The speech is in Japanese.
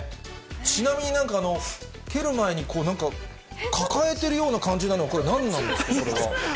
ちなみになんか、蹴る前になんか、抱えているような感じなのは、これは何なんですか、これは。